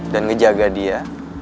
dan ngejaga dia